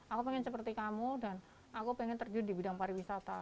aku pengen seperti kamu dan aku pengen terjun di bidang pariwisata